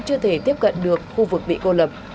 chưa thể tiếp cận được khu vực bị cô lập